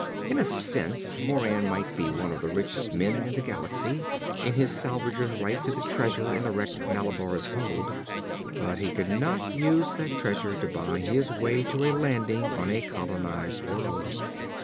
In a sense, Moran might be one of the richest men in the galaxy in his salvagers' right to the treasure in the wrecked Malabar's hold. But he could not use that treasure to buy his way to a landing on a colonized world.